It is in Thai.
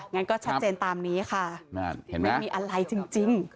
งั้นก็ชัดเจนตามนี้ค่ะเห็นไหมไม่มีอะไรจริง